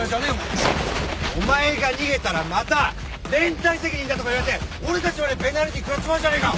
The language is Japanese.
お前が逃げたらまた連帯責任だとか言われて俺たちまでペナルティー食らっちまうじゃねえか。